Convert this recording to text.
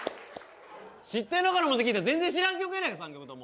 知ってんのかと思って聴いたら全然知らん曲やないか３曲とも。